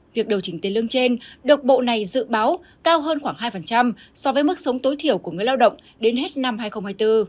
việc điều chỉnh tiền lương trên được bộ này dự báo cao hơn khoảng hai so với mức sống tối thiểu của người lao động đến hết năm hai nghìn hai mươi bốn